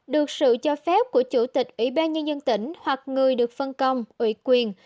được sự cho phép của chủ tịch ủy ban nhân dân tỉnh hoặc người được phân công ủy quyền